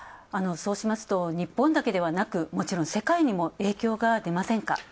そうしますと、日本だけでなくもちろん世界にも影響が出ませんか？